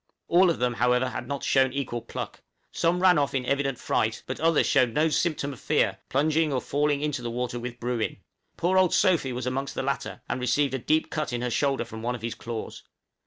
All of them, however, had not shown equal pluck; some ran off in evident fright, but others showed no symptom of fear, plunging or falling into the water with Bruin. Poor old Sophy was amongst the latter, and received a deep cut in the shoulder from one of his claws.